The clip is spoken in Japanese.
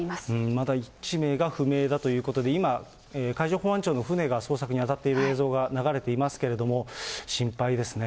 まだ１名が不明だということで、今、海上保安庁の船が捜索に当たっている映像が流れていますけれども、心配ですね。